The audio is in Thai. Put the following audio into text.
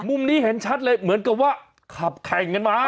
มุมนี้เห็นชัดเลยเหมือนกับว่าขับแข่งกันมา